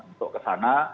untuk ke sana